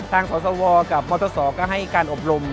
สสวกับมศก็ให้การอบรม